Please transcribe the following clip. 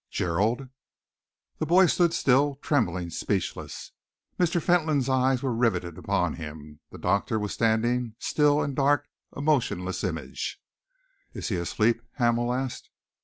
"Gerald!" The boy stood still, trembling, speechless. Mr. Fentolin's eyes were riveted upon him. The doctor was standing, still and dark, a motionless image. "Is he asleep?" Hamel asked.